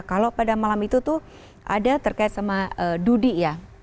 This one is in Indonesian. kalau pada malam itu tuh ada terkait sama dudi ya